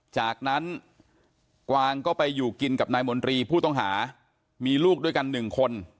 จากนั้นกวางก็ไปอยู่กินกับนายมนตรีผู้ต้องหามีลูกด้วยกันหนึ่งคน